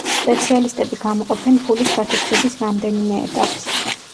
სპეციალისტები გამოყოფენ ფულის გათეთრების რამდენიმე ეტაპს.